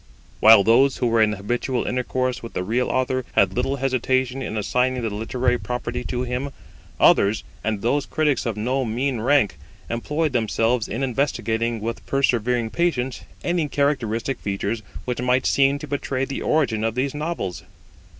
While those who were in habitual intercourse with the real author had little hesitation in assigning the literary property to him, others, and those critics of no mean rank, employed themselves in investigating with persevering patience any characteristic features which might seem to betray the origin of these Novels.